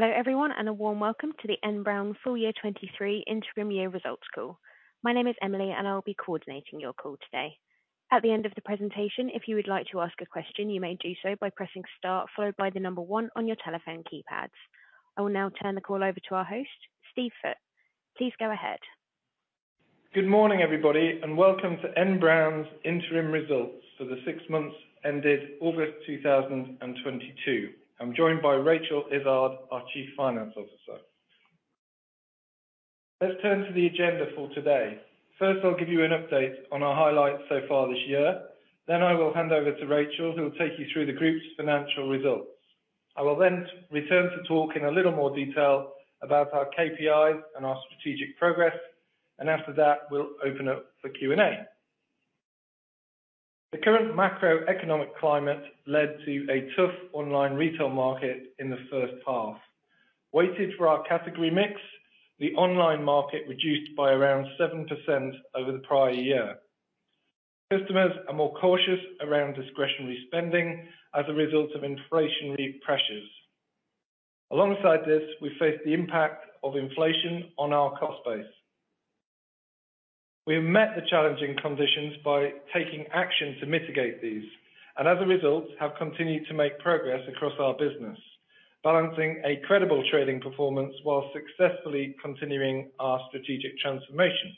Hello, everyone, and a warm welcome to the N Brown full year 2023 interim results call. My name is Emily, and I'll be coordinating your call today. At the end of the presentation, if you would like to ask a question, you may do so by pressing star followed by the number one on your telephone keypads. I will now turn the call over to our host, Steve. Please go ahead. Good morning, everybody, and welcome to N Brown's interim results for the six months ended August 2022. I'm joined by Rachel Izzard, our Chief Financial Officer. Let's turn to the agenda for today. First, I'll give you an update on our highlights so far this year. Then I will hand over to Rachel, who will take you through the group's financial results. I will then return to talk in a little more detail about our KPIs and our strategic progress, and after that, we'll open up for Q&A. The current macroeconomic climate led to a tough online retail market in the first half. Weighted for our category mix, the online market reduced by around 7% over the prior year. Customers are more cautious around discretionary spending as a result of inflationary pressures. Alongside this, we face the impact of inflation on our cost base. We have met the challenging conditions by taking action to mitigate these, and as a result, have continued to make progress across our business, balancing a credible trading performance while successfully continuing our strategic transformation.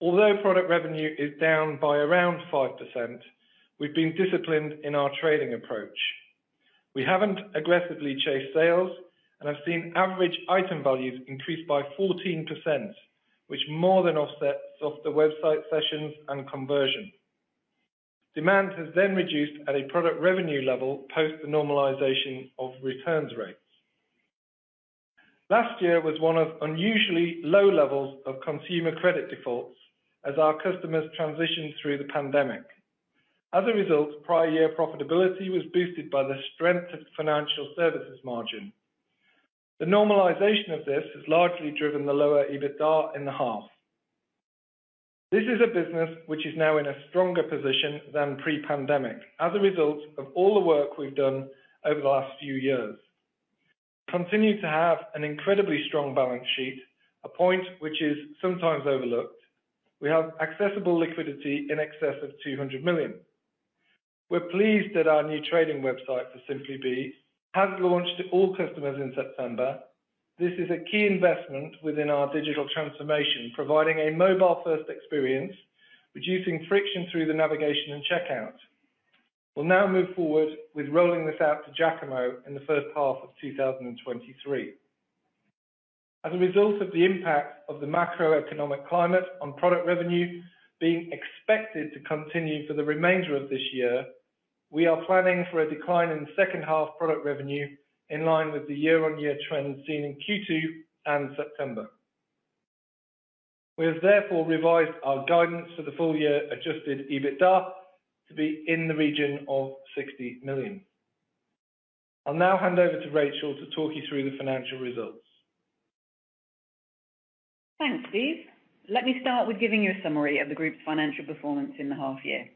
Although product revenue is down by around 5%, we've been disciplined in our trading approach. We haven't aggressively chased sales and have seen average item values increase by 14%, which more than offsets softer website sessions and conversion. Demand has then reduced at a product revenue level post the normalization of returns rates. Last year was one of unusually low levels of consumer credit defaults as our customers transitioned through the pandemic. As a result, prior year profitability was boosted by the strength of the financial services margin. The normalization of this has largely driven the lower EBITDA in the half. This is a business which is now in a stronger position than pre-pandemic as a result of all the work we've done over the last few years. Continue to have an incredibly strong balance sheet, a point which is sometimes overlooked. We have accessible liquidity in excess of 200 million. We're pleased that our new trading website for Simply Be has launched to all customers in September. This is a key investment within our digital transformation, providing a mobile-first experience, reducing friction through the navigation and checkout. We'll now move forward with rolling this out to Jacamo in the first half of 2023. As a result of the impact of the macroeconomic climate on product revenue being expected to continue for the remainder of this year, we are planning for a decline in second half product revenue in line with the year-on-year trends seen in Q2 and September. We have therefore revised our guidance for the full year adjusted EBITDA to be in the region of 60 million. I'll now hand over to Rachel to talk you through the financial results. Thanks, Steve. Let me start with giving you a summary of the group's financial performance in the half year.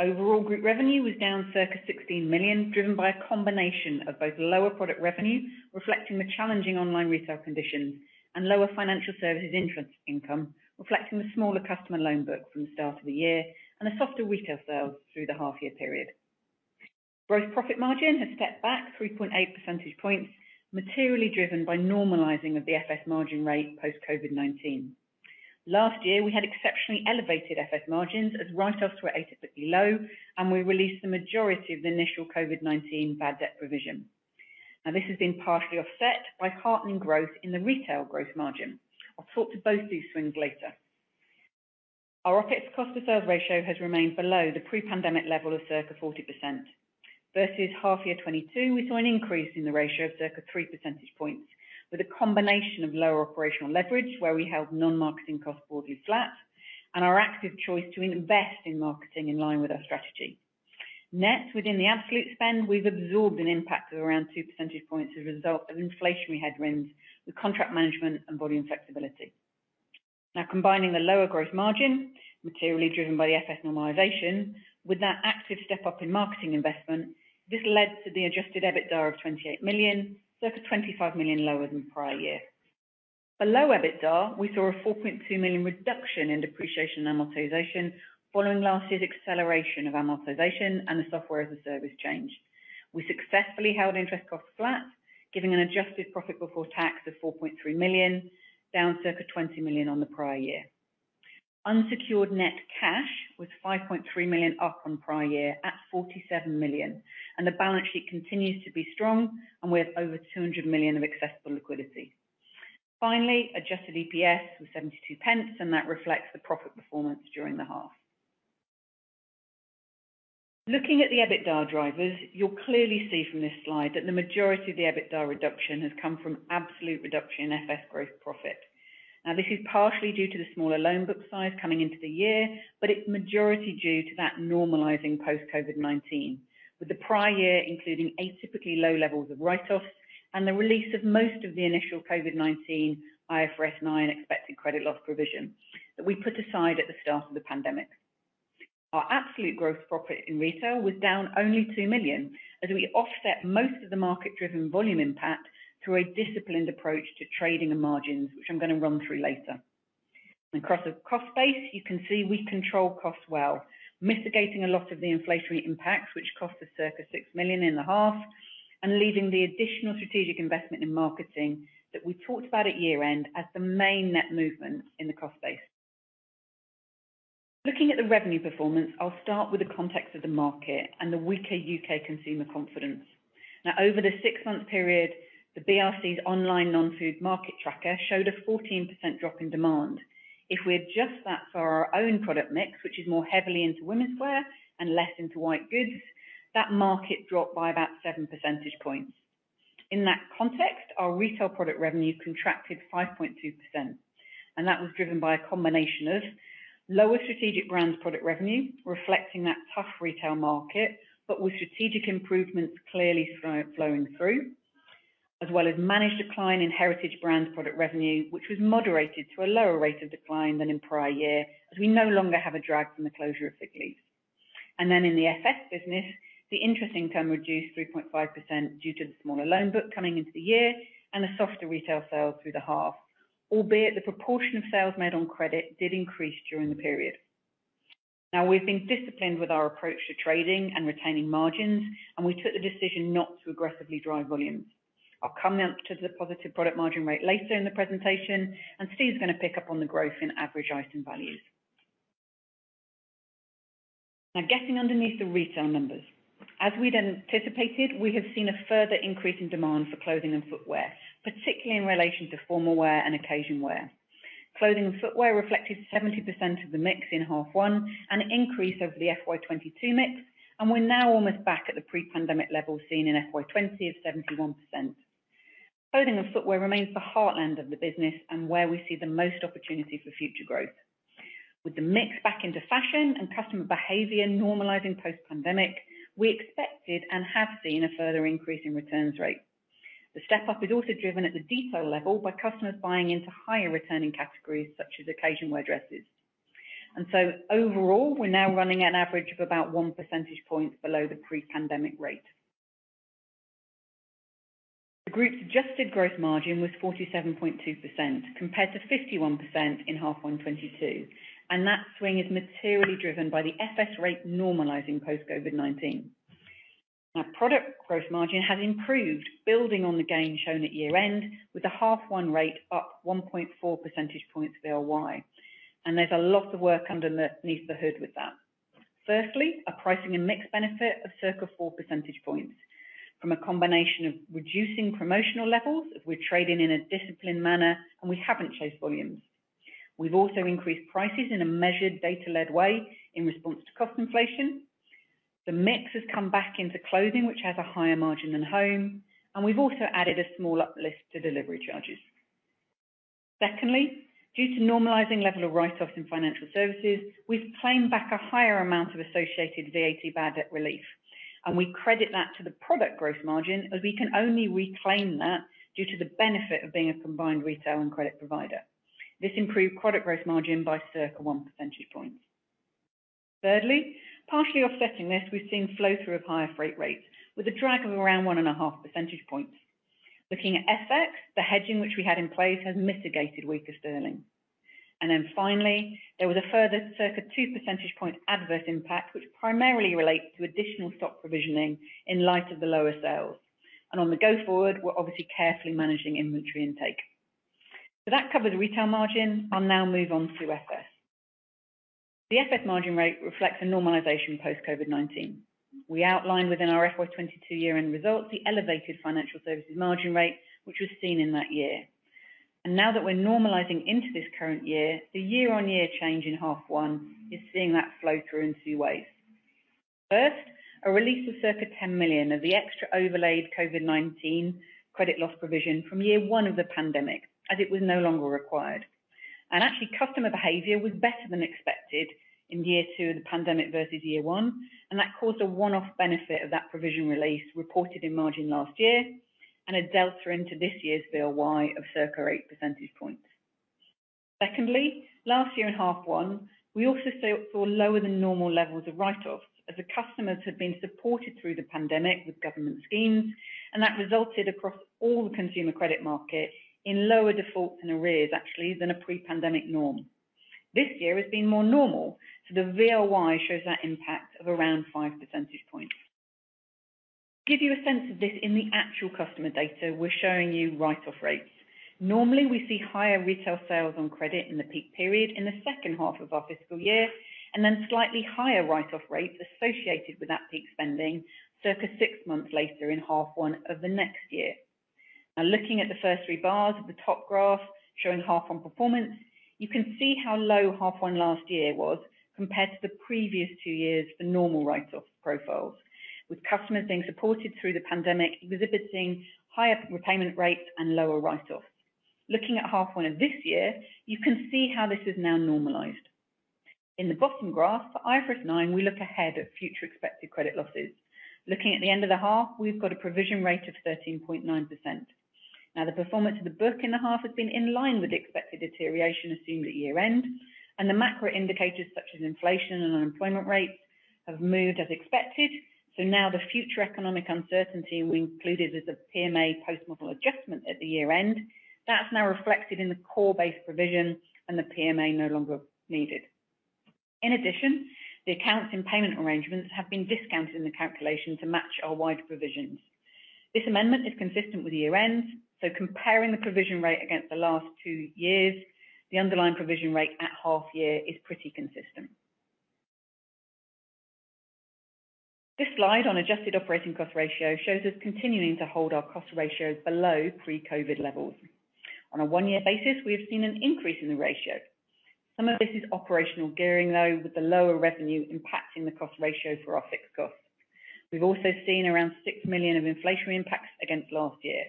Overall, group revenue was down circa 16 million, driven by a combination of both lower product revenue, reflecting the challenging online retail conditions and lower financial services interest income, reflecting the smaller customer loan book from the start of the year and the softer retail sales through the half year period. Gross profit margin has stepped back 3.8 percentage points, materially driven by normalizing of the FS margin rate post-COVID-19. Last year, we had exceptionally elevated FS margins as write-offs were atypically low, and we released the majority of the initial COVID-19 bad debt provision. Now, this has been partially offset by heartening growth in the retail growth margin. I'll talk to both these swings later. Our OpEx cost to serve ratio has remained below the pre-pandemic level of circa 40%. Versus half year 2022, we saw an increase in the ratio of circa 3 percentage points with a combination of lower operational leverage where we held non-marketing costs broadly flat and our active choice to invest in marketing in line with our strategy. Net within the absolute spend, we've absorbed an impact of around 2 percentage points as a result of inflationary headwinds with contract management and volume flexibility. Now combining the lower growth margin, materially driven by the FS normalization with that active step-up in marketing investment, this led to the adjusted EBITDA of 28 million, circa 25 million lower than prior year. Below EBITDA, we saw a 4.2 million reduction in depreciation amortization following last year's acceleration of amortization and the software as a service change. We successfully held interest costs flat, giving an adjusted profit before tax of 4.3 million, down circa 20 million on the prior year. Unsecured net cash was 5.3 million up on prior year at 47 million, and the balance sheet continues to be strong and we have over 200 million of accessible liquidity. Finally, adjusted EPS was 72 pence, and that reflects the profit performance during the half. Looking at the EBITDA drivers, you'll clearly see from this slide that the majority of the EBITDA reduction has come from absolute reduction in FS growth profit. Now, this is partially due to the smaller loan book size coming into the year, but it's majority due to that normalizing post COVID-19. With the prior year including atypically low levels of write-offs and the release of most of the initial COVID-19 IFRS9 expected credit loss provision that we put aside at the start of the pandemic. Our absolute growth profit in retail was down only 2 million as we offset most of the market-driven volume impact through a disciplined approach to trading and margins, which I'm gonna run through later. Across the cost base, you can see we control costs well, mitigating a lot of the inflationary impacts, which cost us circa 6 million in the half and leaving the additional strategic investment in marketing that we talked about at year-end as the main net movement in the cost base. Looking at the revenue performance, I'll start with the context of the market and the weaker U.K. consumer confidence. Now, over the six-month period, the BRC's online non-food market tracker showed a 14% drop in demand. If we adjust that for our own product mix, which is more heavily into womenswear and less into white goods, that market dropped by about 7 percentage points. In that context, our retail product revenue contracted 5.2%, and that was driven by a combination of lower strategic brands product revenue reflecting that tough retail market, but with strategic improvements clearly flowing through, as well as managed decline in heritage brand product revenue, which was moderated to a lower rate of decline than in prior year, as we no longer have a drag from the closure of Figleaves. And in the FS business, the interest income reduced 3.5% due to the smaller loan book coming into the year and the softer retail sales through the half. Albeit, the proportion of sales made on credit did increase during the period. Now we've been disciplined with our approach to trading and retaining margins, and we took the decision not to aggressively drive volumes. I'll come now to the positive product margin rate later in the presentation, and Steve's gonna pick up on the growth in average item values. Now getting underneath the retail numbers. As we'd anticipated, we have seen a further increase in demand for clothing and footwear, particularly in relation to formal wear and occasion wear. Clothing and footwear reflected 70% of the mix in H1, an increase over the FY 2022 mix, and we're now almost back at the pre-pandemic level seen in FY 2020 of 71%. Clothing and footwear remains the heartland of the business and where we see the most opportunity for future growth. With the mix back into fashion and customer behavior normalizing post-pandemic, we expected and have seen a further increase in returns rate. The step-up is also driven at the detail level by customers buying into higher returning categories such as occasion wear dresses. And so overall, we're now running at an average of about one percentage point below the pre-pandemic rate. The group's adjusted gross margin was 47.2% compared to 51% in H1 2022, and that swing is materially driven by the FS rate normalizing post-COVID-19. Now product growth margin has improved, building on the gain shown at year-end with the H1 rate up 1.4 percentage points VOY. There's a lot of work underneath the hood with that. Firstly, a pricing and mix benefit of circa 4 percentage points from a combination of reducing promotional levels as we're trading in a disciplined manner, and we haven't chased volumes. We've also increased prices in a measured data-led way in response to cost inflation. The mix has come back into clothing, which has a higher margin than home, and we've also added a small uplift to delivery charges. Secondly, due to normalizing level of write-offs in financial services, we've claimed back a higher amount of associated VAT bad debt relief, and we credit that to the product growth margin as we can only reclaim that due to the benefit of being a combined retail and credit provider. This improved product growth margin by circa 1 percentage point. Thirdly, partially offsetting this, we've seen flow-through of higher freight rates with a drag of around 1.5 percentage points. Looking at FX, the hedging which we had in place has mitigated weaker sterling. And then finally, there was a further circa 2 percentage points adverse impact which primarily relates to additional stock provisioning in light of the lower sales. On the go forward, we're obviously carefully managing inventory intake. That covers retail margin. I'll now move on to FS. The FS margin rate reflects a normalization post COVID-19. We outlined within our FY 2022 year-end results the elevated financial services margin rate, which was seen in that year. Now that we're normalizing into this current year, the year-on-year change in half one is seeing that flow through in two ways. First, a release of circa 10 million of the extra overlaid COVID-19 credit loss provision from year one of the pandemic as it was no longer required. Actually, customer behavior was better than expected in year two of the pandemic versus year one, and that caused a one-off benefit of that provision release reported in margin last year and a delta into this year's VOY of circa 8 percentage points. Secondly, last year in half one, we also saw lower than normal levels of write-offs as the customers had been supported through the pandemic with government schemes, and that resulted across all the consumer credit market in lower defaults and arrears actually than a pre-pandemic norm. This year has been more normal, so the VOY shows that impact of around 5 percentage points. Give you a sense of this in the actual customer data we're showing you write-off rates. Normally, we see higher retail sales on credit in the peak period in the second half of our fiscal year, and then slightly higher write-off rates associated with that peak spending circa six months later in half one of the next year. Now looking at the first three bars of the top graph showing half one performance, you can see how low half one last year was compared to the previous two years for normal write-off profiles, with customers being supported through the pandemic exhibiting higher repayment rates and lower write-offs. Looking at half one of this year, you can see how this is now normalized. In the bottom graph for IFRS 9, we look ahead at future expected credit losses. Looking at the end of the half, we've got a provision rate of 13.9%. Now the performance of the book in the half has been in line with the expected deterioration assumed at year end, and the macro indicators such as inflation and unemployment rates have moved as expected. Now the future economic uncertainty we included as a PMA post-model adjustment at the year end, that's now reflected in the core base provision and the PMA no longer needed. In addition, the accounts and payment arrangements have been discounted in the calculation to match our wide provisions. This amendment is consistent with year end, so comparing the provision rate against the last two years, the underlying provision rate at half year is pretty consistent. This slide on adjusted operating cost ratio shows us continuing to hold our cost ratios below pre-COVID levels. On a one-year basis, we have seen an increase in the ratio. Some of this is operational gearing, though, with the lower revenue impacting the cost ratio for our fixed costs. We've also seen around 6 million of inflationary impacts against last year.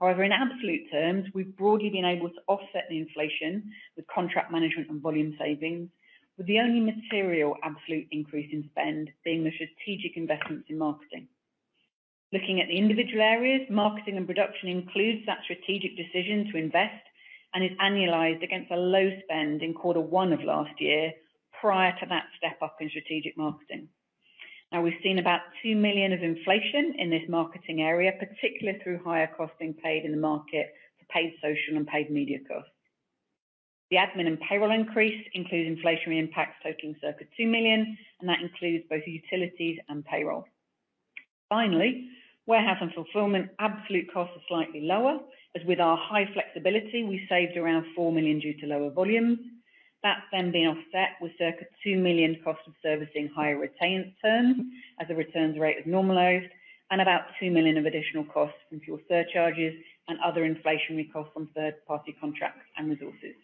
However, in absolute terms, we've broadly been able to offset the inflation with contract management and volume savings, with the only material absolute increase in spend being the strategic investments in marketing. Looking at the individual areas, marketing and production includes that strategic decision to invest and is annualized against a low spend in quarter one of last year, prior to that step up in strategic marketing. Now we've seen about 2 million of inflation in this marketing area, particularly through higher costs being paid in the market to paid social and paid media costs. The admin and payroll increase includes inflationary impacts totaling circa 2 million, and that includes both utilities and payroll. Finally, warehouse and fulfillment absolute costs are slightly lower. As with our high flexibility, we saved around 4 million due to lower volumes. That's then being offset with circa 2 million cost of servicing higher retained terms as the returns rate has normalized, and about 2 million of additional costs from fuel surcharges and other inflationary costs from third-party contracts and resources.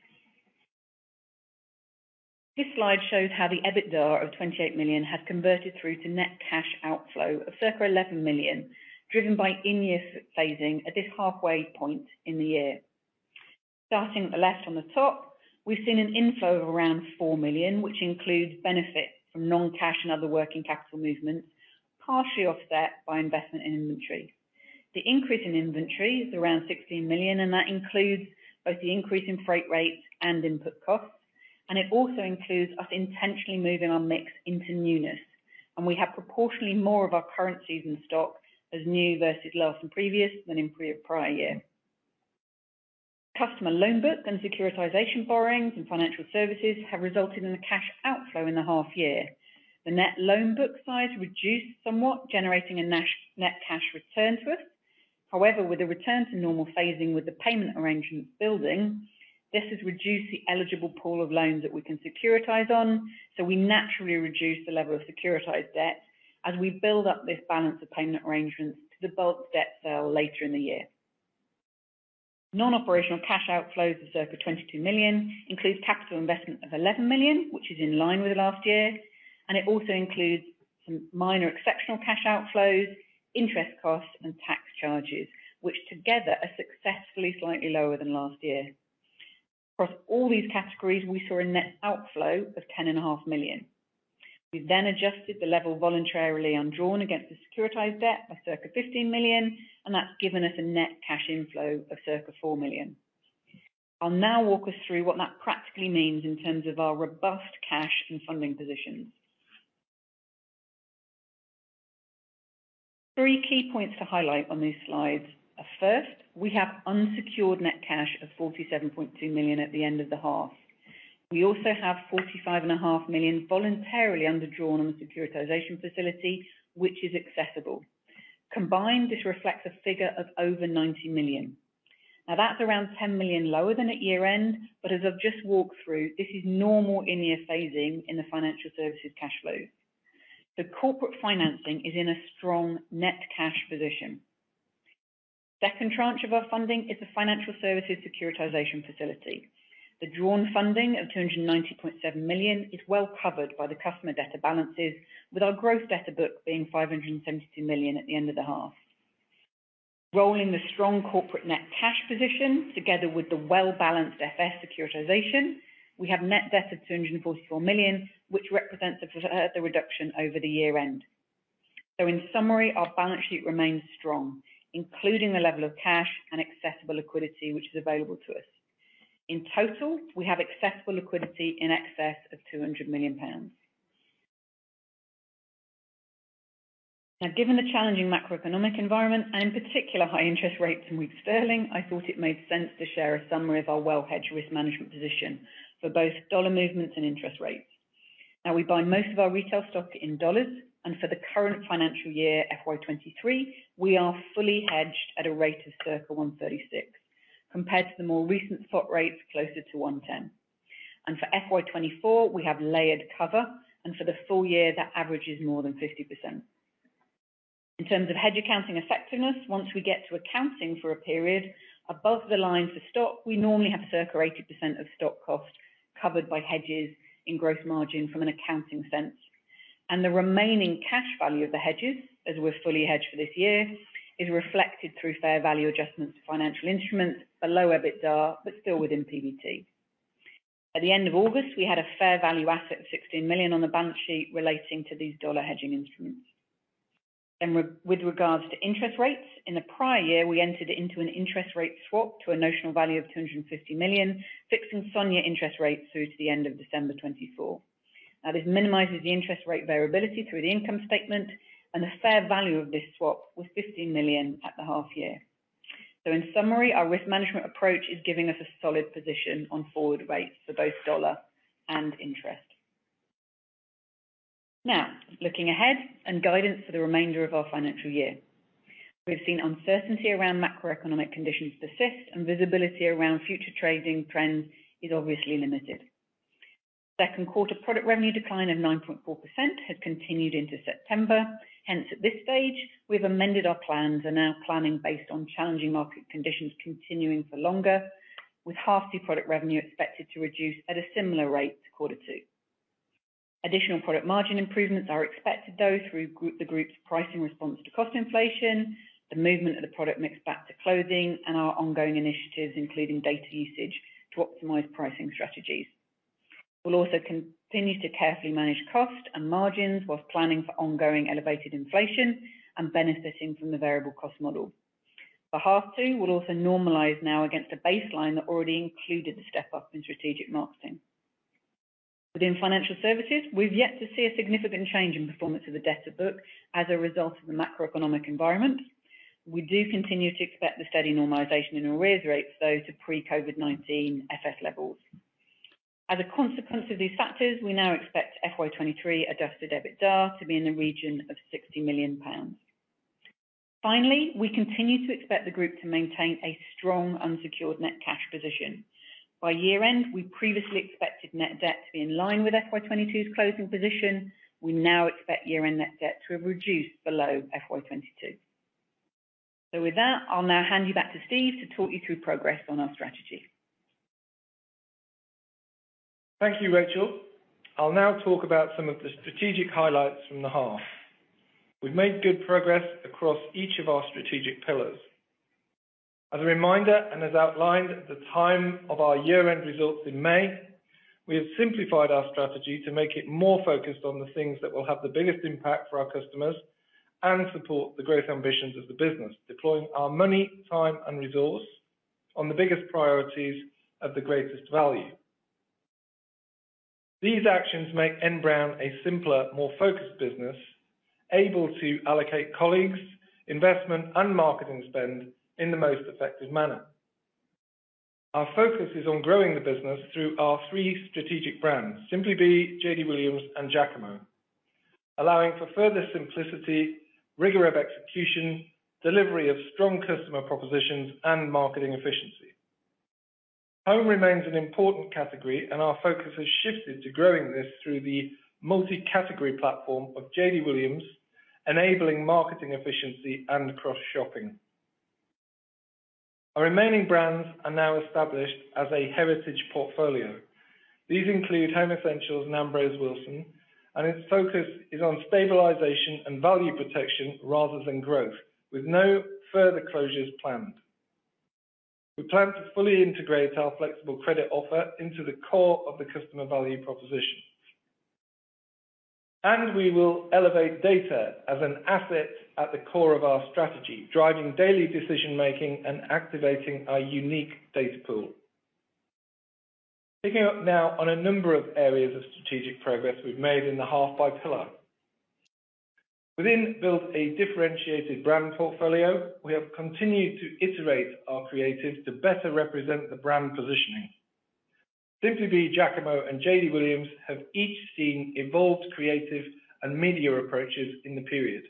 This slide shows how the EBITDA of 28 million has converted through to net cash outflow of circa 11 million, driven by in-year phasing at this halfway point in the year. Starting at the left on the top, we've seen an inflow of around 4 million, which includes benefit from non-cash and other working capital movements, partially offset by investment in inventory. The increase in inventory is around 16 million, and that includes both the increase in freight rates and input costs. It also includes us intentionally moving our mix into newness. We have proportionally more of our current season stock as new versus last and previous than in prior year. Customer loan book and securitization borrowings and financial services have resulted in a cash outflow in the half year. The net loan book size reduced somewhat, generating a net cash return to us. However, with a return to normal phasing with the payment arrangement building, this has reduced the eligible pool of loans that we can securitize on. We naturally reduce the level of securitized debt as we build up this balance of payment arrangements to the bulk debt sale later in the year. Non-operational cash outflows of circa 22 million includes capital investment of 11 million, which is in line with last year. It also includes some minor exceptional cash outflows, interest costs, and tax charges, which together are successfully slightly lower than last year. Across all these categories, we saw a net outflow of 10.5 million. We then adjusted the level voluntarily undrawn against the securitized debt of circa 15 million, and that's given us a net cash inflow of circa 4 million. I'll now walk us through what that practically means in terms of our robust cash and funding positions. Three key points to highlight on these slides are first, we have unsecured net cash of 47.2 million at the end of the half. We also have 45.5 million voluntarily underdrawn on the securitization facility, which is accessible. Combined, this reflects a figure of over 90 million. Now that's around 10 million lower than at year-end, but as I've just walked through, this is normal in-year phasing in the financial services cash flow. The corporate financing is in a strong net cash position. Second tranche of our funding is the financial services securitization facility. The drawn funding of 290.7 million is well covered by the customer debtor balances, with our gross debtor book being 572 million at the end of the half. Rolling the strong corporate net cash position together with the well-balanced FS securitization, we have net debt of 244 million, which represents a further reduction over the year-end. In summary, our balance sheet remains strong, including the level of cash and accessible liquidity which is available to us. In total, we have accessible liquidity in excess of 200 million pounds. Now given the challenging macroeconomic environment and in particular high interest rates and weak sterling, I thought it made sense to share a summary of our well-hedged risk management position for both U.S. dollar movements and interest rates. Now we buy most of our retail stock in dollars, and for the current financial year, FY 2023, we are fully hedged at a rate of circa 1.36, compared to the more recent spot rates closer to 1.10. For FY 2024, we have layered cover, and for the full year, that average is more than 50%. In terms of hedge accounting effectiveness, once we get to accounting for a period above the line for stock, we normally have circa 80% of stock cost covered by hedges in gross margin from an accounting sense. And the remaining cash value of the hedges, as we're fully hedged for this year, is reflected through fair value adjustments to financial instruments below EBITDA, but still within PBT. At the end of August, we had a fair value asset of 16 million on the balance sheet relating to these dollar hedging instruments. With regards to interest rates, in the prior year, we entered into an interest rate swap to a notional value of 250 million, fixing SONIA interest rates through to the end of December 2024. This minimizes the interest rate variability through the income statement, and the fair value of this swap was 15 million at the half year. In summary, our risk management approach is giving us a solid position on forward rates for both dollar and interest. Now looking ahead and guidance for the remainder of our financial year. We've seen uncertainty around macroeconomic conditions persist and visibility around future trading trends is obviously limited. Second quarter product revenue decline of 9.4% has continued into September. Hence, at this stage, we've amended our plans and now planning based on challenging market conditions continuing for longer, with half the product revenue expected to reduce at a similar rate to quarter two. Additional product margin improvements are expected, though, through the group's pricing response to cost inflation, the movement of the product mix back to clothing and our ongoing initiatives, including data usage to optimize pricing strategies. We'll also continue to carefully manage cost and margins whilst planning for ongoing elevated inflation and benefiting from the variable cost model. For half two, we'll also normalize now against a baseline that already included the step-up in strategic marketing. Within financial services, we've yet to see a significant change in performance of the debtor book as a result of the macroeconomic environment. We do continue to expect the steady normalization in arrears rates, though, to pre-COVID-19 FS levels. As a consequence of these factors, we now expect FY 2023 adjusted EBITDA to be in the region of 60 million pounds. Finally, we continue to expect the group to maintain a strong unsecured net cash position. By year-end, we previously expected net debt to be in line with FY 2022's closing position. We now expect year-end net debt to have reduced below FY 2022. With that, I'll now hand you back to Steve to talk you through progress on our strategy. Thank you, Rachel. I'll now talk about some of the strategic highlights from the half. We've made good progress across each of our strategic pillars. As a reminder, and as outlined at the time of our year-end results in May, we have simplified our strategy to make it more focused on the things that will have the biggest impact for our customers and support the growth ambitions of the business, deploying our money, time and resource on the biggest priorities of the greatest value. These actions make N Brown a simpler, more focused business, able to allocate colleagues, investment and marketing spend in the most effective manner. Our focus is on growing the business through our three strategic brands, Simply Be, JD Williams and Jacamo, allowing for further simplicity, rigor of execution, delivery of strong customer propositions and marketing efficiency. Home remains an important category and our focus has shifted to growing this through the multi-category platform of JD Williams, enabling marketing efficiency and cross-shopping. Our remaining brands are now established as a heritage portfolio. These include Home Essentials and Ambrose Wilson, and its focus is on stabilization and value protection rather than growth, with no further closures planned. We plan to fully integrate our flexible credit offer into the core of the customer value proposition. We will elevate data as an asset at the core of our strategy, driving daily decision-making and activating our unique data pool. Picking up now on a number of areas of strategic progress we've made in the half by pillar. Within build a differentiated brand portfolio, we have continued to iterate our creative to better represent the brand positioning. Simply Be, Jacamo and JD Williams have each seen evolved creative and media approaches in the period.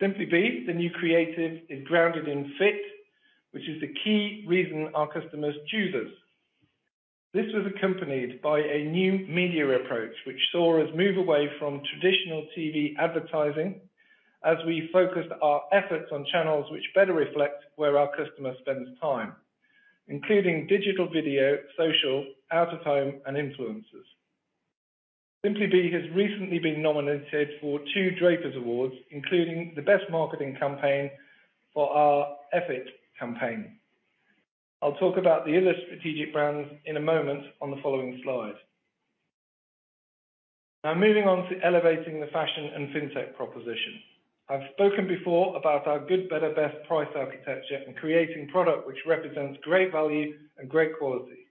Simply Be, the new creative, is grounded in fit, which is the key reason our customers choose us. This was accompanied by a new media approach which saw us move away from traditional TV advertising as we focused our efforts on channels which better reflect where our customer spends time, including digital video, social, out of home and influencers. Simply Be has recently been nominated for two Drapers Awards, including the Best Marketing Campaign for our Effort campaign. I'll talk about the other strategic brands in a moment on the following slide. Now moving on to elevating the fashion and fintech proposition. I've spoken before about our good better best price architecture and creating product which represents great value and great quality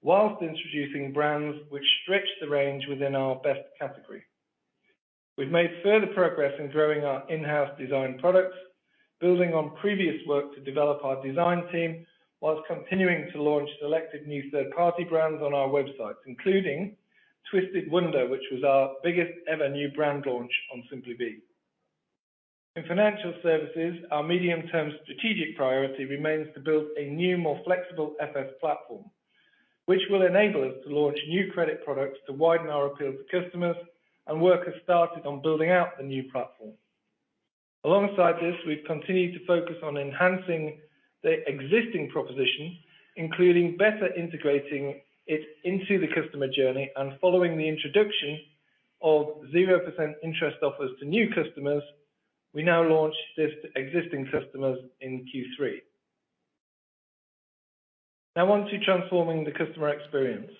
while introducing brands which stretch the range within our best category. We've made further progress in growing our in-house design products, building on previous work to develop our design team while continuing to launch selected new third-party brands on our websites, including Twisted Wunder, which was our biggest ever new brand launch on Simply Be. In financial services, our medium-term strategic priority remains to build a new, more flexible FS platform, which will enable us to launch new credit products to widen our appeal to customers, and work has started on building out the new platform. Alongside this, we've continued to focus on enhancing the existing proposition, including better integrating it into the customer journey and following the introduction of 0% interest offers to new customers. We now launch this to existing customers in Q3. Now on to transforming the customer experience.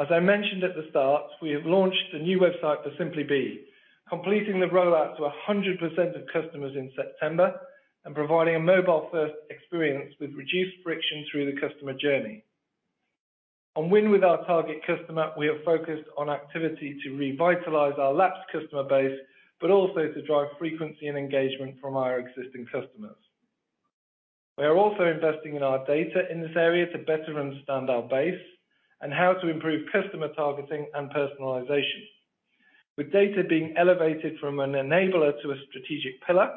As I mentioned at the start, we have launched a new website for Simply Be, completing the rollout to 100% of customers in September and providing a mobile-first experience with reduced friction through the customer journey. Ongoing with our target customer, we are focused on activity to revitalize our lapsed customer base, but also to drive frequency and engagement from our existing customers. We are also investing in our data in this area to better understand our base and how to improve customer targeting and personalization. With data being elevated from an enabler to a strategic pillar,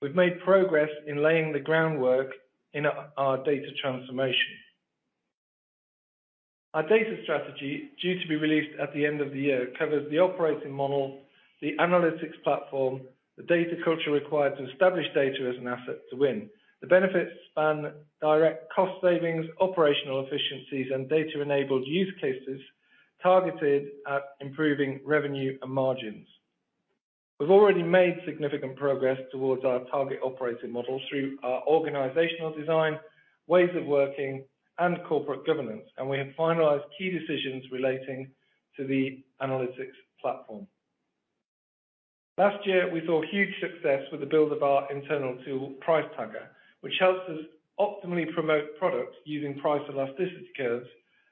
we've made progress in laying the groundwork in our data transformation. Our data strategy, due to be released at the end of the year, covers the operating model, the analytics platform, the data culture required to establish data as an asset to win. The benefits span direct cost savings, operational efficiencies, and data-enabled use cases targeted at improving revenue and margins. We've already made significant progress towards our target operating model through our organizational design, ways of working, and corporate governance, and we have finalized key decisions relating to the analytics platform. Last year, we saw huge success with the build of our internal tool, Price Tagger, which helps us optimally promote products using price elasticity curves,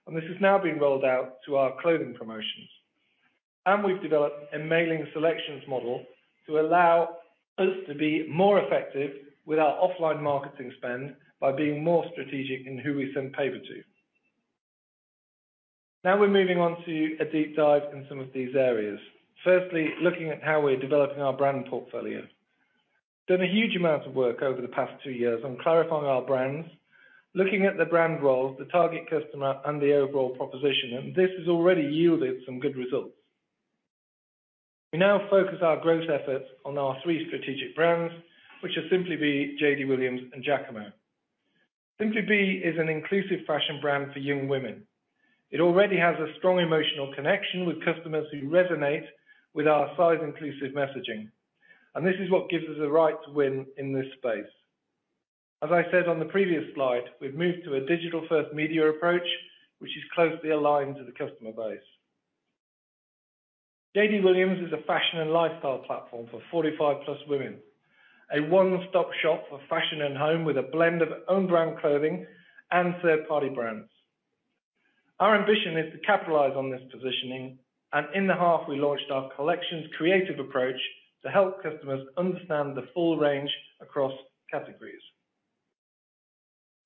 and this is now being rolled out to our clothing promotions. We've developed a mailing selections model to allow us to be more effective with our offline marketing spend by being more strategic in who we send paper to. Now we're moving on to a deep dive in some of these areas. Firstly, looking at how we're developing our brand portfolio. Done a huge amount of work over the past two years on clarifying our brands, looking at the brand role, the target customer, and the overall proposition, and this has already yielded some good results. We now focus our growth efforts on our three strategic brands, which are Simply Be, JD Williams, and Jacamo. Simply Be is an inclusive fashion brand for young women. It already has a strong emotional connection with customers who resonate with our size-inclusive messaging, and this is what gives us a right to win in this space. As I said on the previous slide, we've moved to a digital-first media approach, which is closely aligned to the customer base. JD Williams is a fashion and lifestyle platform for 45-plus women. A one-stop shop for fashion and home with a blend of own brand clothing and third-party brands. Our ambition is to capitalize on this positioning, and in the half, we launched our collections creative approach to help customers understand the full range across categories.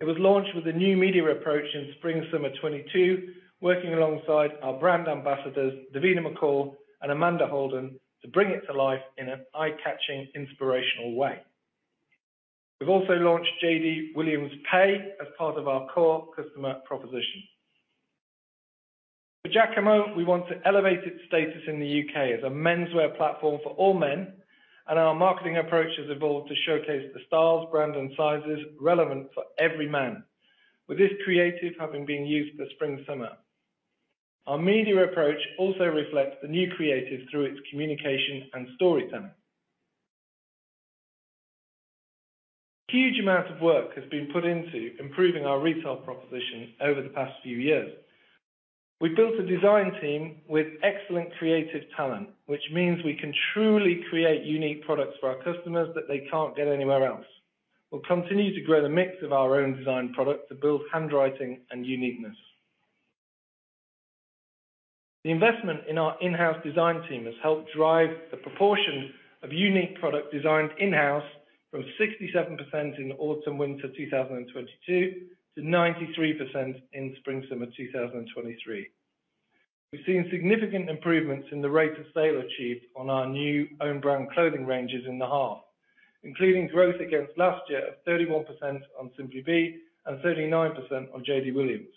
It was launched with a new media approach in spring/summer 2022, working alongside our brand ambassadors, Davina McCall and Amanda Holden, to bring it to life in an eye-catching, inspirational way. We've also launched JD Williams Pay as part of our core customer proposition. For Jacamo, we want to elevate its status in the U.K. as a menswear platform for all men, and our marketing approach has evolved to showcase the styles, brand, and sizes relevant for every man. With this creative having been used for spring/summer 2022. Our media approach also reflects the new creative through its communication and storytelling. Huge amount of work has been put into improving our retail proposition over the past few years. We built a design team with excellent creative talent, which means we can truly create unique products for our customers that they can't get anywhere else. We'll continue to grow the mix of our own design product to build handwriting and uniqueness. The investment in our in-house design team has helped drive the proportion of unique product designed in-house from 67% in autumn/winter 2022 to 93% in spring/summer 2023. We've seen significant improvements in the rate of sale achieved on our new own brand clothing ranges in the half, including growth against last year of 31% on Simply Be and 39% on JD Williams.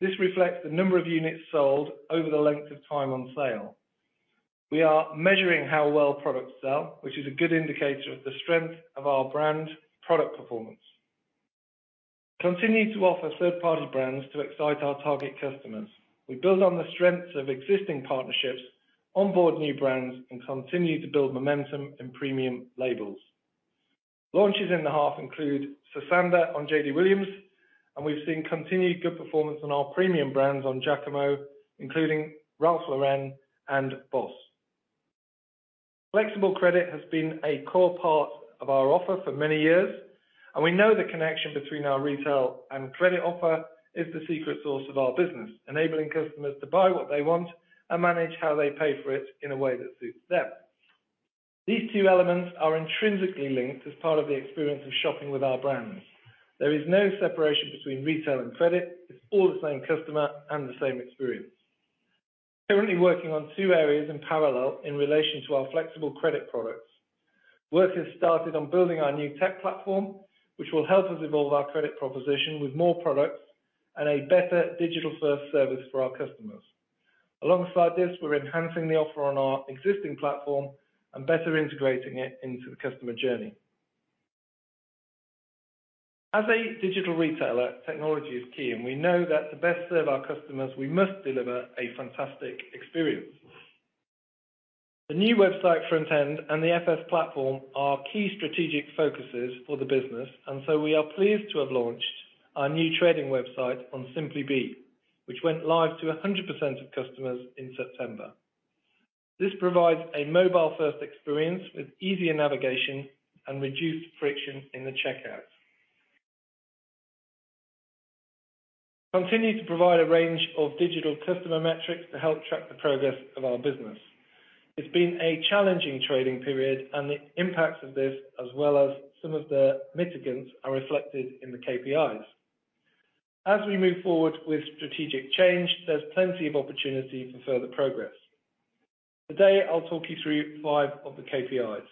This reflects the number of units sold over the length of time on sale. We are measuring how well products sell, which is a good indicator of the strength of our brand product performance. Continue to offer third-party brands to excite our target customers. We build on the strengths of existing partnerships, onboard new brands, and continue to build momentum in premium labels. Launches in the half include sass & bide on JD Williams, and we've seen continued good performance on our premium brands on Jacamo, including Ralph Lauren and BOSS. Flexible credit has been a core part of our offer for many years, and we know the connection between our retail and credit offer is the secret sauce of our business, enabling customers to buy what they want and manage how they pay for it in a way that suits them. These two elements are intrinsically linked as part of the experience of shopping with our brands. There is no separation between retail and credit. It's all the same customer and the same experience. Currently working on two areas in parallel in relation to our flexible credit products. Work has started on building our new tech platform, which will help us evolve our credit proposition with more products and a better digital-first service for our customers. Alongside this, we're enhancing the offer on our existing platform and better integrating it into the customer journey. As a digital retailer, technology is key, and we know that to best serve our customers, we must deliver a fantastic experience. The new website front end and the FS platform are key strategic focuses for the business, and so we are pleased to have launched our new trading website on Simply Be, which went live to 100% of customers in September. This provides a mobile-first experience with easier navigation and reduced friction in the checkout. Continue to provide a range of digital customer metrics to help track the progress of our business. It's been a challenging trading period and the impacts of this, as well as some of the mitigants, are reflected in the KPIs. As we move forward with strategic change, there's plenty of opportunity for further progress. Today, I'll talk you through five of the KPIs.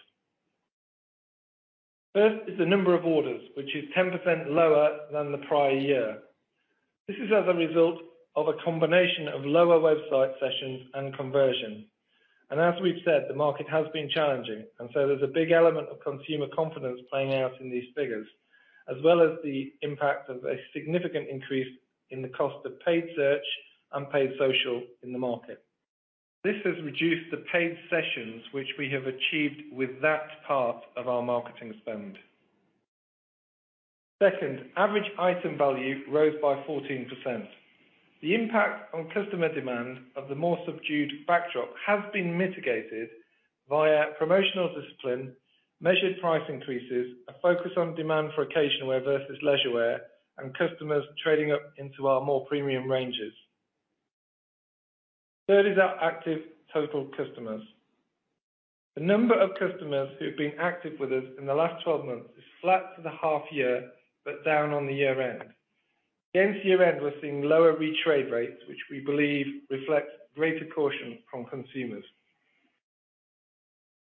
First is the number of orders, which is 10% lower than the prior year. This is as a result of a combination of lower website sessions and conversion. As we've said, the market has been challenging, and so there's a big element of consumer confidence playing out in these figures, as well as the impact of a significant increase in the cost of paid search and paid social in the market. This has reduced the paid sessions which we have achieved with that part of our marketing spend. Second, average item value rose by 14%. The impact on customer demand of the more subdued backdrop has been mitigated via promotional discipline, measured price increases, a focus on demand for occasional wear versus leisure wear, and customers trading up into our more premium ranges. Third is our active total customers. The number of customers who've been active with us in the last 12 months is flat for the half year but down on the year-end. Against year-end, we're seeing lower retrade rates, which we believe reflects greater caution from consumers.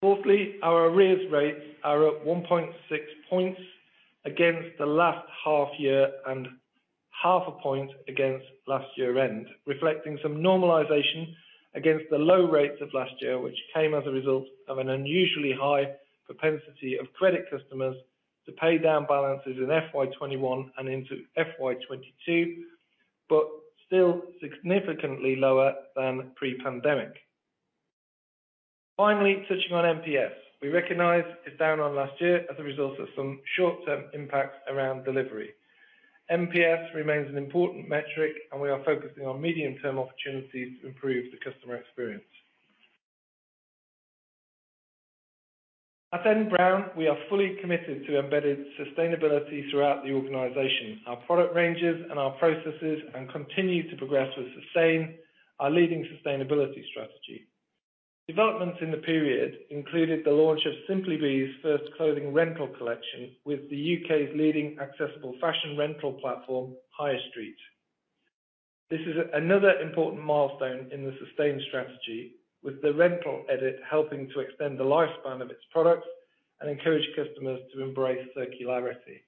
Fourthly, our arrears rates are up 1.6 points against the last half year and 0.5 point against last year end, reflecting some normalization against the low rates of last year, which came as a result of an unusually high propensity of credit customers to pay down balances in FY 2021 and into FY 2022, but still significantly lower than pre-pandemic. Finally, touching on NPS, we recognize it's down on last year as a result of some short-term impacts around delivery. NPS remains an important metric, and we are focusing on medium-term opportunities to improve the customer experience. At N Brown, we are fully committed to embedded sustainability throughout the organization, our product ranges, and our processes, and continue to progress with SUSTAIN, our leading sustainability strategy. Developments in the period included the launch of Simply Be's first clothing rental collection with the U.K.'s leading accessible fashion rental platform, Hirestreet. This is another important milestone in the SUSTAIN strategy, with the rental edit helping to extend the lifespan of its products and encourage customers to embrace circularity.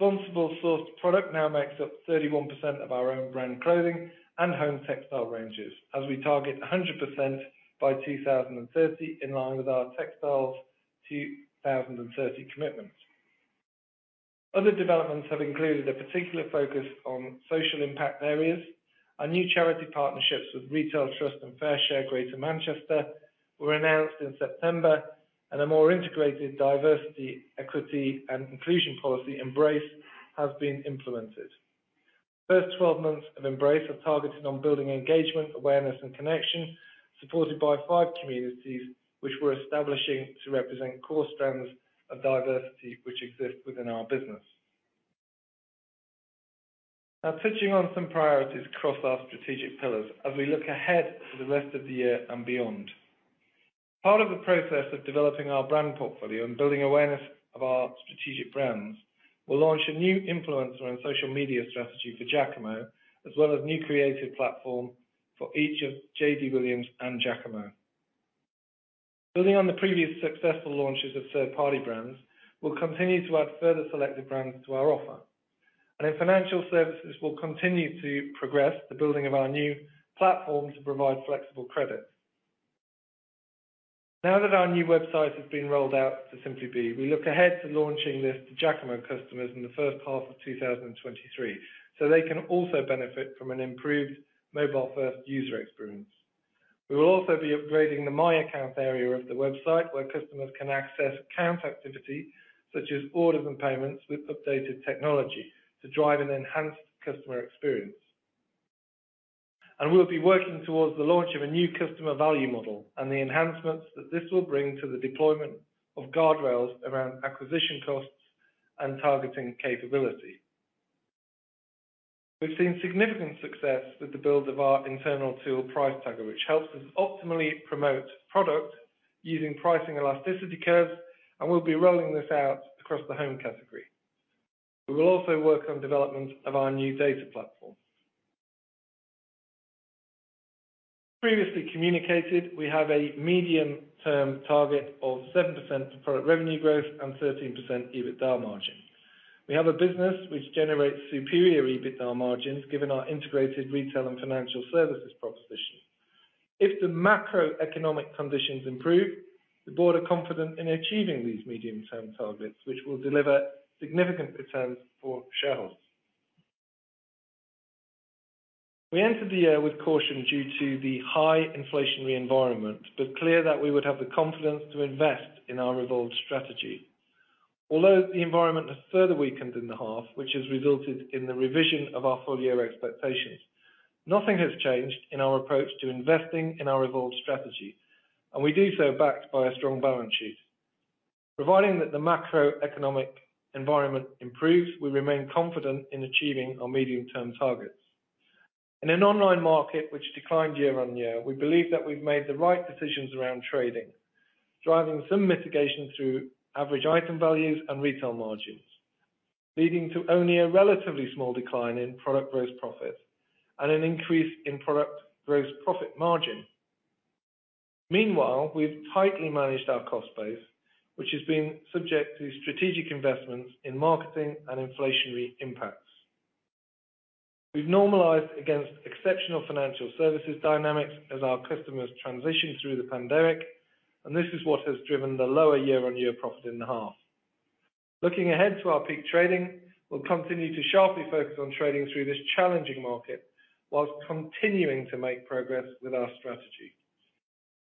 Responsibly sourced product now makes up 31% of our own brand clothing and home textile ranges as we target 100% by 2030 in line with our textiles 2030 commitments. Other developments have included a particular focus on social impact areas. Our new charity partnerships with Retail Trust and FareShare Greater Manchester were announced in September and a more integrated diversity, equity, and inclusion policy, Embrace, has been implemented. First 12 months of Embrace are targeted on building engagement, awareness, and connection, supported by five communities which we're establishing to represent core strands of diversity which exist within our business. Now touching on some priorities across our strategic pillars as we look ahead to the rest of the year and beyond. Part of the process of developing our brand portfolio and building awareness of our strategic brands, we'll launch a new influencer and social media strategy for Jacamo, as well as new creative platform for each of JD Williams and Jacamo. Building on the previous successful launches of third-party brands, we'll continue to add further selected brands to our offer. In financial services, we'll continue to progress the building of our new platform to provide flexible credit. Now that our new website has been rolled out to Simply Be, we look ahead to launching this to Jacamo customers in the first half of 2023, so they can also benefit from an improved mobile-first user experience. We will also be upgrading the My Account area of the website where customers can access account activity such as orders and payments with updated technology to drive an enhanced customer experience. And we'll be working towards the launch of a new customer value model and the enhancements that this will bring to the deployment of guardrails around acquisition costs and targeting capability. We've seen significant success with the build of our internal tool Price Tagger, which helps us optimally promote product using pricing elasticity curves, and we'll be rolling this out across the home category. We will also work on development of our new data platform. Previously communicated, we have a medium-term target of 7% product revenue growth and 13% EBITDA margin. We have a business which generates superior EBITDA margins given our integrated retail and financial services proposition. If the macroeconomic conditions improve, the board are confident in achieving these medium-term targets, which will deliver significant returns for shareholders. We entered the year with caution due to the high inflationary environment, but clear that we would have the confidence to invest in our Evolve strategy. Although the environment has further weakened in the half, which has resulted in the revision of our full-year expectations, nothing has changed in our approach to investing in our Evolve strategy, and we do so backed by a strong balance sheet. Providing that the macroeconomic environment improves, we remain confident in achieving our medium-term targets. In an online market which declined year-on-year, we believe that we've made the right decisions around trading, driving some mitigation through average item values and retail margins, leading to only a relatively small decline in product gross profit and an increase in product gross profit margin. Meanwhile, we've tightly managed our cost base, which has been subject to strategic investments in marketing and inflationary impacts. We've normalized against exceptional financial services dynamics as our customers transition through the pandemic, and this is what has driven the lower year-on-year profit in the half. Looking ahead to our peak trading, we'll continue to sharply focus on trading through this challenging market whilst continuing to make progress with our strategy.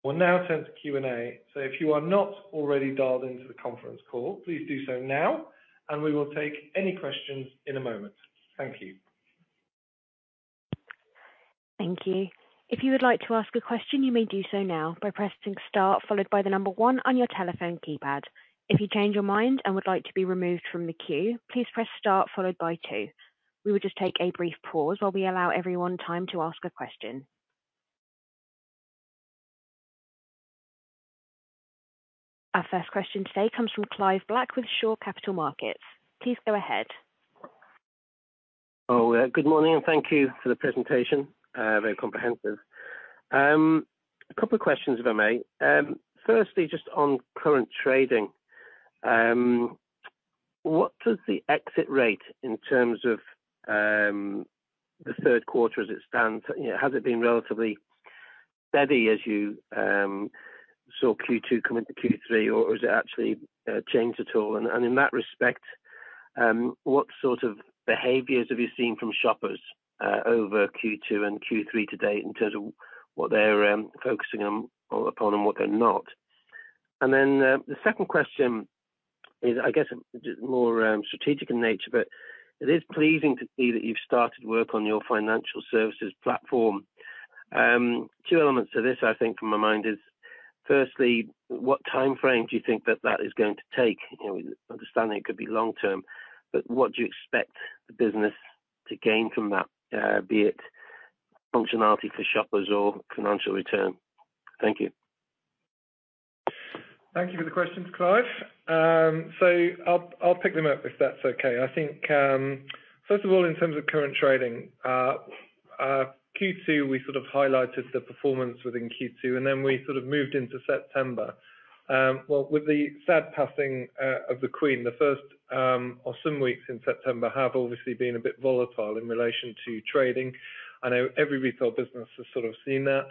We'll now turn to Q&A, so if you are not already dialed into the conference call, please do so now, and we will take any questions in a moment. Thank you. Thank you. If you would like to ask a question, you may do so now by pressing star followed by one on your telephone keypad. If you change your mind and would like to be removed from the queue, please press star followed by two. We will just take a brief pause while we allow everyone time to ask a question. Our first question today comes from Clive Black with Shore Capital Markets. Please go ahead. Oh, good morning, and thank you for the presentation. Very comprehensive. A couple of questions, if I may. Firstly, just on current trading, what does the exit rate in terms of the third quarter as it stands, you know, has it been relatively steady as you saw Q2 come into Q3, or has it actually changed at all? In that respect, what sort of behaviors have you seen from shoppers over Q2 and Q3 to date in terms of what they're focusing on upon and what they're not? And then the second question is, I guess, more strategic in nature, but it is pleasing to see that you've started work on your financial services platform. And two elements to this, I think, from my mind is, firstly, what time frame do you think that that is going to take? You know, understanding it could be long term, but what do you expect the business to gain from that, be it functionality for shoppers or financial return? Thank you. Thank you for the questions, Clive. I'll pick them up if that's okay. I think, first of all, in terms of current trading, Q2, we sort of highlighted the performance within Q2, and then we sort of moved into September. Well, with the sad passing of The Queen, the first or some weeks in September have obviously been a bit volatile in relation to trading. I know every retail business has sort of seen that.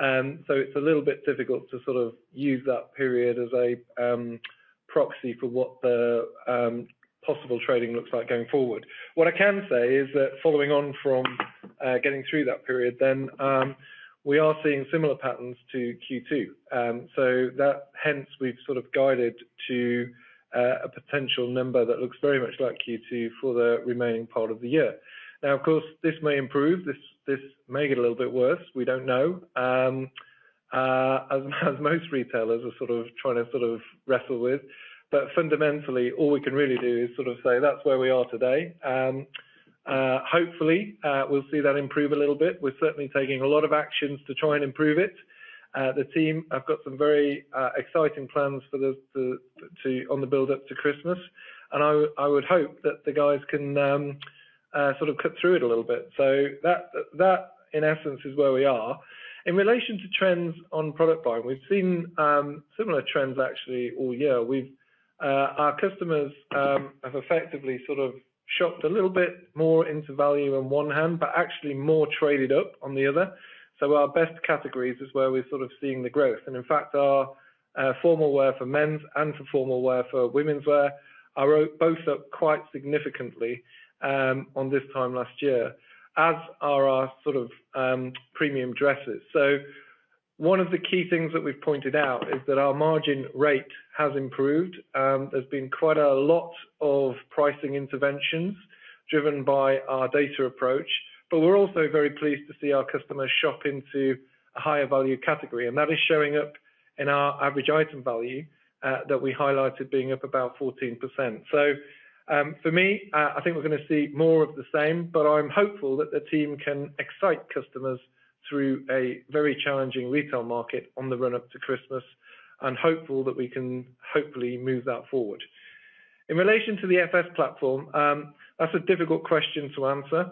And it's a little bit difficult to sort of use that period as a proxy for what the possible trading looks like going forward. What I can say is that following on from getting through that period, then we are seeing similar patterns to Q2. Hence we've sort of guided to a potential number that looks very much like Q2 for the remaining part of the year. Now, of course, this may improve. This may get a little bit worse. We don't know, as most retailers are sort of trying to sort of wrestle with. But fundamentally, all we can really do is sort of say that's where we are today. Hopefully, we'll see that improve a little bit. We're certainly taking a lot of actions to try and improve it. The team have got some very exciting plans on the build-up to Christmas, and I would hope that the guys can sort of cut through it a little bit. That in essence is where we are. In relation to trends on product buying, we've seen similar trends actually all year. Our customers have effectively sort of shopped a little bit more into value on one hand, but actually more traded up on the other. So our best categories is where we're sort of seeing the growth. In fact, our formal wear for men's and for formal wear for women's wear are both up quite significantly on this time last year, as are our sort of premium dresses. So one of the key things that we've pointed out is that our margin rate has improved. There's been quite a lot of pricing interventions driven by our data approach, but we're also very pleased to see our customers shop into a higher value category, and that is showing up in our average item value that we highlighted being up about 14%. So for me, I think we're going to see more of the same, but I'm hopeful that the team can excite customers through a very challenging retail market on the run-up to Christmas and hopeful that we can hopefully move that forward. In relation to the FS platform, that's a difficult question to answer.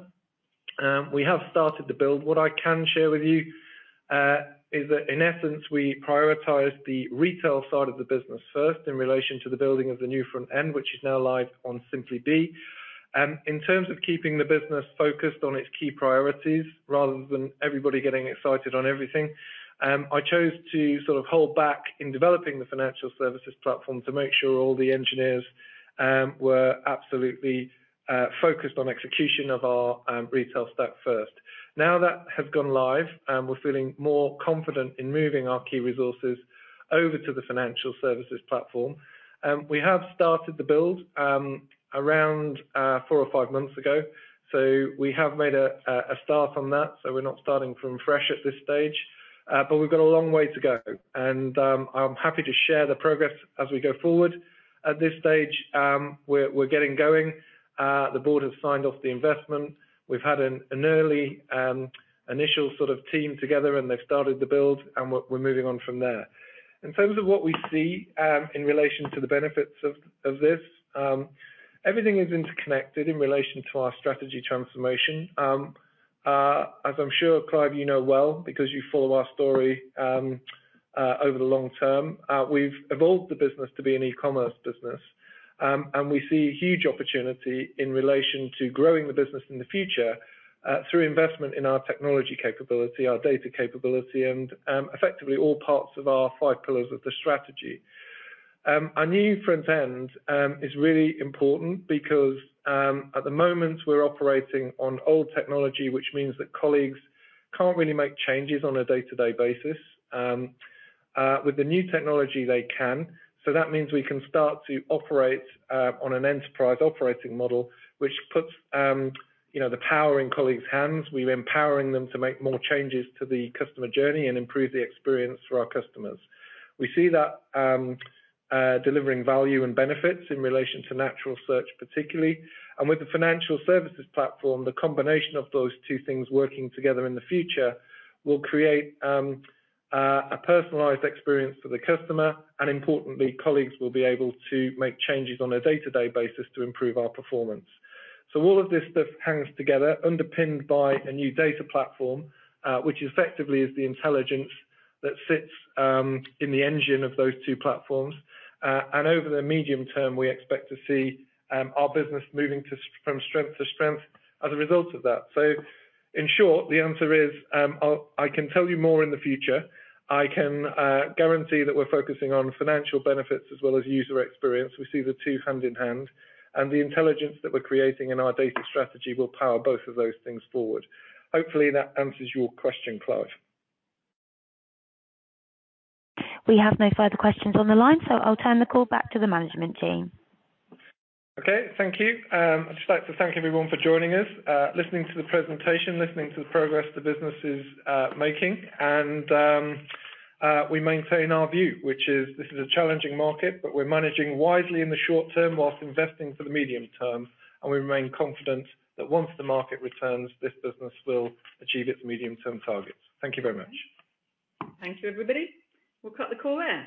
We have started the build. What I can share with you is that in essence, we prioritize the retail side of the business first in relation to the building of the new front end, which is now live on Simply Be. In terms of keeping the business focused on its key priorities rather than everybody getting excited on everything, I chose to sort of hold back in developing the financial services platform to make sure all the engineers were absolutely focused on execution of our retail stack first. Now that has gone live, we're feeling more confident in moving our key resources over to the financial services platform. We have started the build around four or five months ago. We have made a start on that, so we're not starting from fresh at this stage. We've got a long way to go, and I'm happy to share the progress as we go forward. At this stage, we're getting going. The board has signed off the investment. We've had an early, initial sort of team together, and they've started the build, and we're moving on from there. In terms of what we see, in relation to the benefits of this, everything is interconnected in relation to our strategy transformation. As I'm sure, Clive, you know well, because you follow our story, over the long term, we've evolved the business to be an e-commerce business. We see huge opportunity in relation to growing the business in the future, through investment in our technology capability, our data capability, and effectively all parts of our five pillars of the strategy. Our new front end is really important because at the moment, we're operating on old technology, which means that colleagues can't really make changes on a day-to-day basis. With the new technology they can. That means we can start to operate on an enterprise operating model, which puts, you know, the power in colleagues' hands. We're empowering them to make more changes to the customer journey and improve the experience for our customers. We see that delivering value and benefits in relation to natural search particularly. With the financial services platform, the combination of those two things working together in the future will create a personalized experience for the customer, and importantly, colleagues will be able to make changes on a day-to-day basis to improve our performance. All of this stuff hangs together, underpinned by a new data platform, which effectively is the intelligence that sits in the engine of those two platforms. And over the medium term, we expect to see our business moving from strength to strength as a result of that. In short, the answer is, I can tell you more in the future. I can guarantee that we're focusing on financial benefits as well as user experience. We see the two hand in hand, and the intelligence that we're creating in our data strategy will power both of those things forward. Hopefully, that answers your question, Clive. We have no further questions on the line, so I'll turn the call back to the management team. Okay, thank you. I'd just like to thank everyone for joining us, listening to the presentation, listening to the progress the business is making. We maintain our view, which is this is a challenging market, but we're managing wisely in the short term while investing for the medium term, and we remain confident that once the market returns, this business will achieve its medium-term targets. Thank you very much. Thank you, everybody. We'll cut the call there.